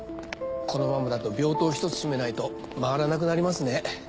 このままだと病棟１つ閉めないと回らなくなりますね。